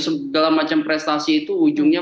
segala macam prestasi itu ujungnya